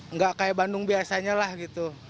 nggak kayak bandung biasanya lah gitu